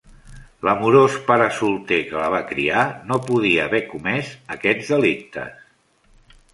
L'amorós pare solter que la va criar no podia haver comès aquests delictes.